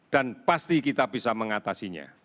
dan pasti kita bisa mengatasinya